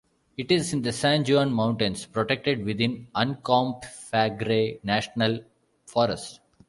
It is in the San Juan Mountains, protected within Uncompahgre National Forest.